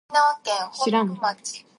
しらん